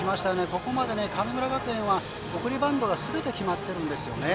ここまで神村学園は送りバントがすべて決まっているんですね。